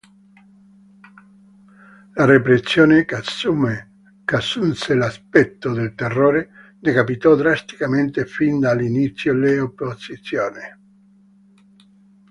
La repressione, che assunse l'aspetto del terrore, decapitò drasticamente fin dall'inizio le opposizioni.